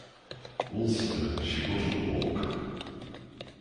Also, she wouldn't walk.